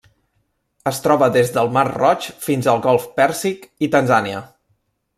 Es troba des del Mar Roig fins al Golf Pèrsic i Tanzània.